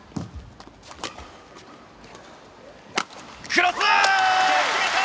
クロス！